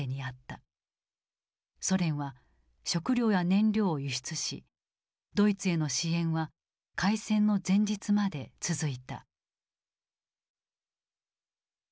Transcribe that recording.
ソ連は食料や燃料を輸出しドイツへの支援は開戦の前日まで続いた。